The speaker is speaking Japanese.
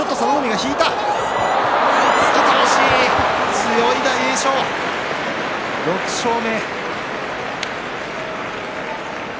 強い大栄翔、６勝目。